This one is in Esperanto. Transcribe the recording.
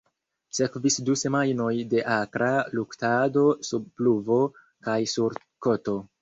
Sekvis du semajnoj de akra luktado sub pluvo kaj sur koto.